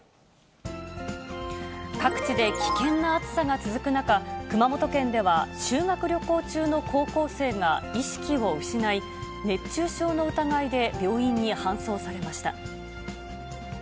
各地で危険な暑さが続く中、熊本県では修学旅行中の高校生が意識を失い、熱中症の疑いで病院に搬送されました。